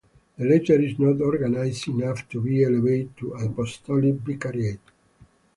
The latter is not organised enough to be elevated to apostolic vicariate.